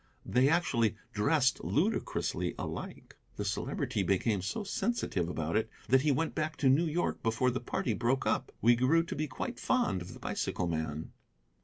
They actually dressed ludicrously alike. The Celebrity became so sensitive about it that he went back to New York before the party broke up. We grew to be quite fond of the bicycle man."